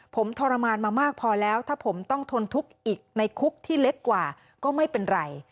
ผมทรมานมามากพอแล้วถ้าผมต้องทนทุกข์อีกในคุกที่เล็กกว่าก็ไม่เป็นไร